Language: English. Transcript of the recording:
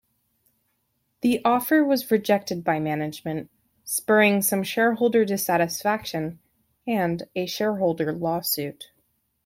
The offer was rejected by management, spurring some shareholder dissatisfaction and a shareholder lawsuit.